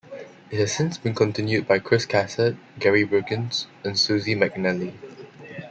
It has since been continued by Chris Cassatt, Gary Brookins and Susie MacNelly.